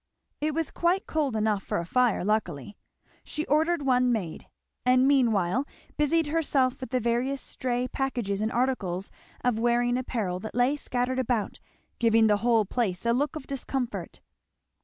It was quite cold enough for a fire, luckily. She ordered one made, and meanwhile busied herself with the various stray packages and articles of wearing apparel that lay scattered about giving the whole place a look of discomfort.